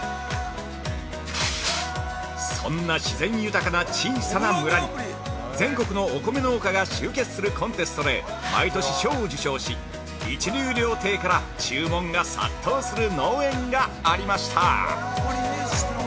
そんな自然豊かな小さな村に全国のお米農家が集結するコンテストで毎年、賞を受賞し一流料亭から注文が殺到する農園がありました。